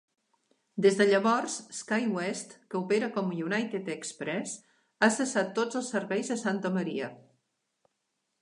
Des de llavors, SkyWest, que opera com United Express, ha cessat tots els serveis a Santa Maria.